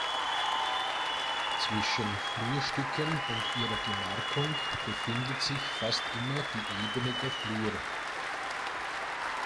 Zwischen Flurstücken und ihrer Gemarkung befindet sich fast immer die Ebene der Flur.